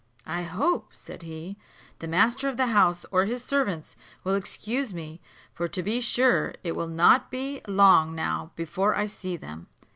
"I hope," said he, "the master of the house or his servants will excuse me, for to be sure it will not be long now before I see them."